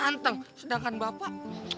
dia kan ganteng sedangkan bapak